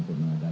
kalau witan ya